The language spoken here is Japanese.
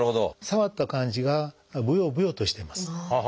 触った感じがブヨブヨとしてます。